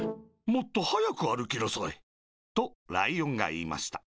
もっとはやくあるきなさい」とライオンがいいました。